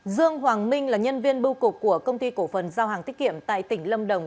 dương hoàng minh là nhân viên bưu cục của công ty cổ phần giao hàng tiết kiệm tại tỉnh lâm đồng